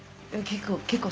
結構。